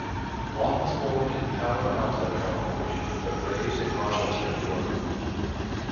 Locke was born in Palo Alto, California but raised in Rochester, New York.